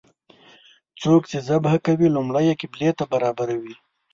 څوک چې ذبحه کوي لومړی یې قبلې ته برابروي.